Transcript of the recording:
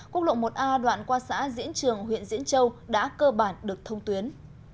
quốc lộ một a đoạn qua xã diễn trường huyện diễn châu đã cơ bản được thông tuyến